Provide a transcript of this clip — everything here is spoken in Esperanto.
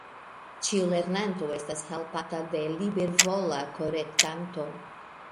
Ĉiu lernanto estas helpata de libervola korektanto.